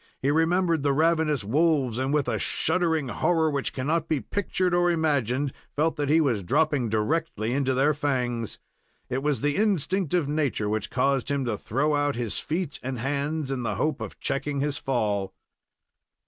He remembered the ravenous wolves, and, with a shuddering horror which cannot be pictured or imagined, felt that he was dropping directly into their fangs. It was the instinct of nature which caused him to throw out his feet and hands in the hope of checking his fall.